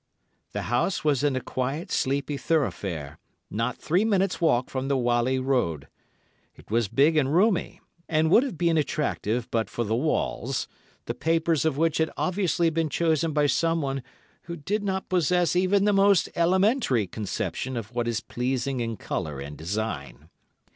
The house was in a quiet, sleepy thoroughfare, not three minutes walk from the Whalley Road. It was big and roomy, and would have been attractive but for the walls, the papers of which had obviously been chosen by someone who did not possess even the most elementary conception of what is pleasing in colour and design.